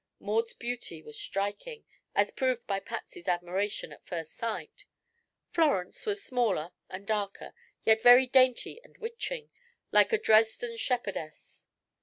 Maud's beauty was striking, as proved by Patsy's admiration at first sight; Florence was smaller and darker, yet very dainty and witching, like a Dresden shepherdess.